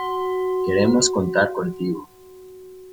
Queremos contar contigo".